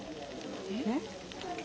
えっ？